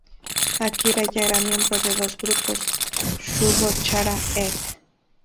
Akari ya era miembro de dos grupos, Shugo Chara Egg!